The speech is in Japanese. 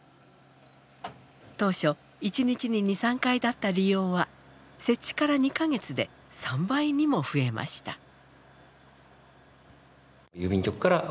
当初１日に２３回だった利用は設置から２か月で３倍にも増えました。